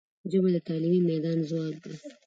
ژبه د تعلیمي میدان ځواک ده